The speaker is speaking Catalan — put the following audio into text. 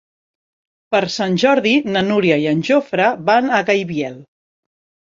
Per Sant Jordi na Núria i en Jofre van a Gaibiel.